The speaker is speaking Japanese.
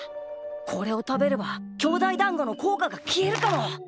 これを食べれば兄弟だんごの効果が消えるかも。